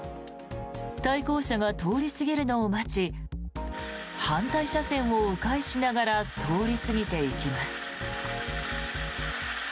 対向車が通り過ぎるのを待ち反対車線を迂回しながら通り過ぎていきます。